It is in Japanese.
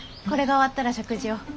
これが終わったら食事を。